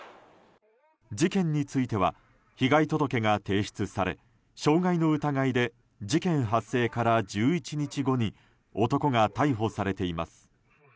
事件については被害届が提出され傷害の疑いで事件発生から１１日後に男が逮捕されています。